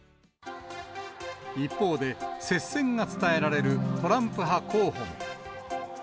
一方で、接戦が伝えられるトランプ派候補も。